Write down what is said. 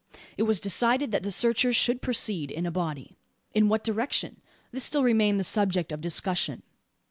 It was decided that the searchers should proceed in a body. In what direction? This still remained the subject of discussion.